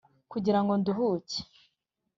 Kugira ngo nduhuke